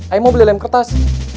ayo mau beli dalam kertas